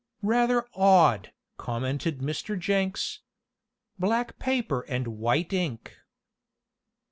"Rather odd," commented Mr. Jenks. "Black paper and white ink."